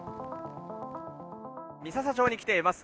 三朝町に来ています。